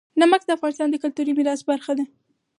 نمک د افغانستان د کلتوري میراث برخه ده.